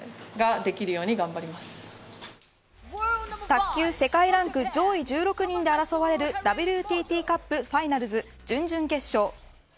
卓球世界ランク上位１６人で争われるＷＴＴカップファイナルズ準々決勝。